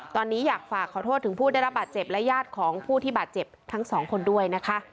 ตอนนี้อยากฝากขอโทษถึงผู้ได้รับบาดเจ็บและญาติของผู้ที่บาดเจ็บทั้งสองคนด้วยนะคะ